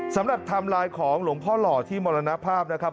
สำหรับทำลายของหลวงพ่อหล่อที่มรณภาพนะครับ